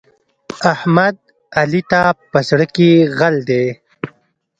احمد؛ علي ته په زړه کې غل دی.